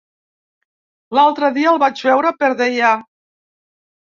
L'altre dia el vaig veure per Deià.